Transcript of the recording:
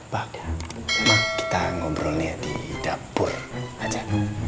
pak kita ngobrol nih ya di dapur aja